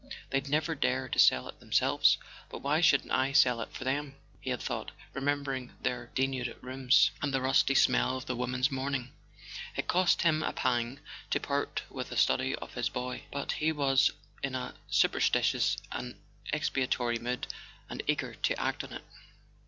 4 'They'd never dare to sell it themselves; but why shouldn't I sell it for them?" he had thought, remembering their de¬ nuded rooms, and the rusty smell of the women's mourning. It cost him a pang to part with a study of his boy; but he was in a superstitious and expiatory mood, and eager to act on it.